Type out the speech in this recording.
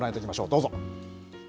どうぞ。